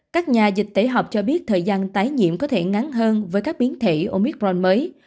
các nhà dịch tễ họp cho biết thời gian tái nhiễm có thể ngắn hơn với các biến thể omicron mới